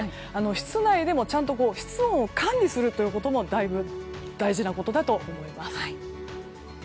室内でも室温を管理することも大事なことだと思います。